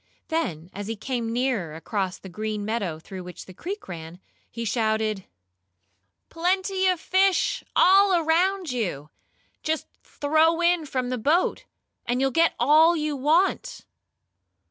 Then, as he came nearer across the green meadow through which the creek ran, he shouted: "Plenty of fish all around you. Just throw in from the boat, and you'll get all you want."